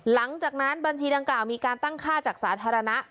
หลังจากนั้นบัญชีดังกล่าวมีการตั้งค่าจากสาธารณะ